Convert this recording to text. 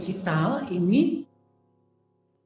selain itu juga untuk early warning system